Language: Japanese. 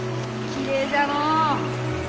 きれいじゃのう！